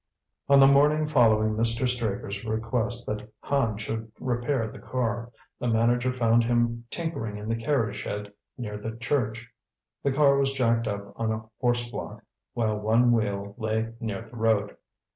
On the morning following Mr. Straker's request that Hand should repair the car, the manager found him tinkering in the carriage shed near the church. The car was jacked up on a horse block, while one wheel lay near the road.